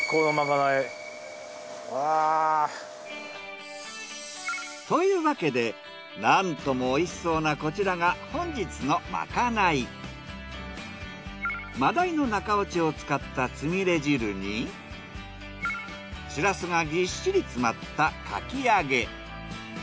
わぁ！というわけでなんとも美味しそうなこちらが本日のマダイの中落ちを使ったつみれ汁にしらすがぎっしり詰まったかき揚げ。